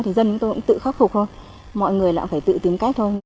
thì dân cũng tự khắc phục thôi mọi người lại phải tự tìm cách thôi